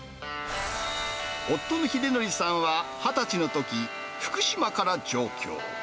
夫の英紀さんは、２０歳のとき、福島から上京。